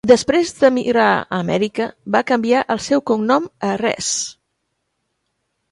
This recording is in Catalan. Després d"emigrar a Amèrica, va canviar el seu cognom a Rhees.